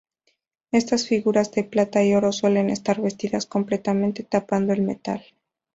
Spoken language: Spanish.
Estas figuras de plata y oro suelen estar vestidas completamente, tapando el metal.